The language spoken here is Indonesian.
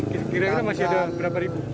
kira kira masih ada berapa ribu